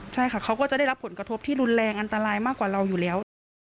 ใช่ค่ะเขาก็จะได้รับผลกระทบที่รุนแรงอันตรายมากกว่าเราอยู่แล้ว